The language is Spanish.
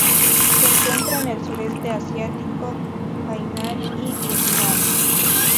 Se encuentran en el Sureste Asiático: Hainan y Vietnam.